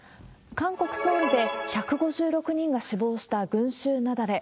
韓国・ソウルで、１５６人が死亡した群衆雪崩。